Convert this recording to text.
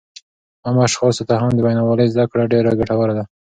عامو اشخاصو ته هم د وینا والۍ زده کړه ډېره ګټوره ده